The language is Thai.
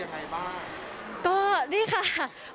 ๖แหมรับทรัพย์อย่างไรบ้าง